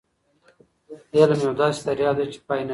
علم یو داسې دریاب دی چي پای نه لري.